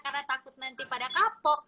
karena takut nanti pada kapok